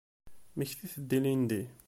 Mmektit-d ilindi.